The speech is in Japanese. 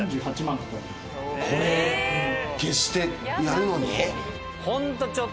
これ消してやるのに？